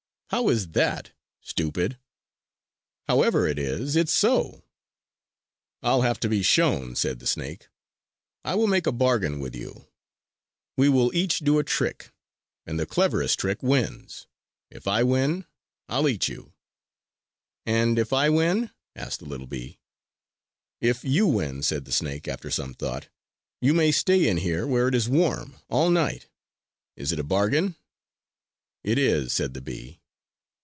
"How is that, stupid?" "However it is, it's so!" "I'll have to be shown!" said the snake. "I will make a bargain with you. We will each do a trick; and the cleverest trick wins. If I win, I'll eat you!" "And if I win?" asked the little bee. "If you win," said the snake after some thought, "you may stay in here where it is warm all night. Is it a bargain?" "It is," said the bee.